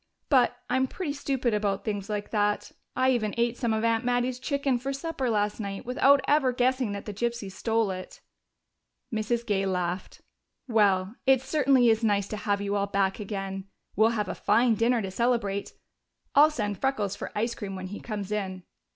But I'm pretty stupid about things like that. I even ate some of Aunt Mattie's chicken for my supper last night without ever guessing that the gypsies stole it." Mrs. Gay laughed. "Well, it certainly is nice to have you all back again. We'll have a fine dinner to celebrate I'll send Freckles for ice cream when he comes in."